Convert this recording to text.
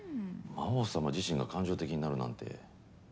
魔王様自身が感情的になるなんて。